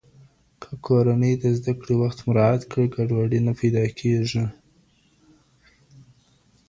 که کورنۍ د زده کړي وخت مراعت کړي، ګډوډي نه پیدا کيږي.